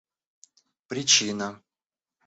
причина